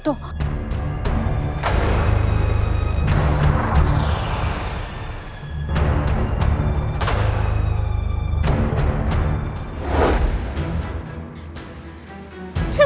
aku ingin terima semuanya